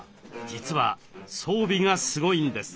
実は装備がすごいんです。